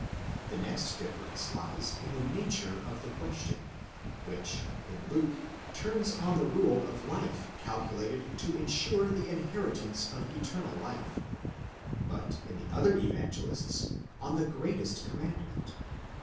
The next difference lies in the nature of the question, which, in Luke, turns on the rule of life calculated to insure the inheritance of eternal life, but, in the other Evangelists, on the greatest commandment.